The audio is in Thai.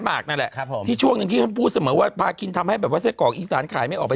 เบฟานสที่สองหนึ่งทิ้งต้องพูดเหมือนว่าพาขินทำให้แบบว่าเศสกอกไอศาลย์ขายไม่ออกไป